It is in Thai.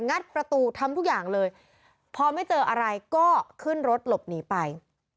ัดประตูทำทุกอย่างเลยพอไม่เจออะไรก็ขึ้นรถหลบหนีไป